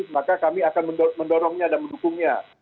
maka kami akan mendorongnya dan mendukungnya